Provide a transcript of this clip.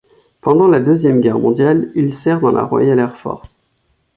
Pendant la Deuxième Guerre mondiale, il sert dans la Royal Air Force.